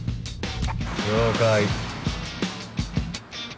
了解。